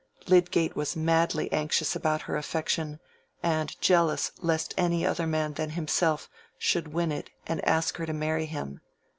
Lydgate was madly anxious about her affection, and jealous lest any other man than himself should win it and ask her to marry him.